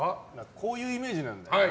こういうイメージなんだよね。